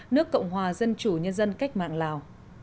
nước cộng hòa dân chủ nhân dân cách mạng lào